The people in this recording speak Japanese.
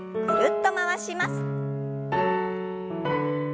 ぐるっと回します。